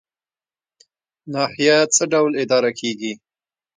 ناحیه څه ډول اداره کیږي؟